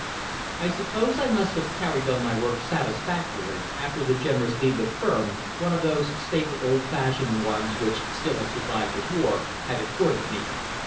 I suppose I must have carried on my work satisfactorily after the generous leave the firm one of those stately old fashioned ones which have still survived the war had accorded me.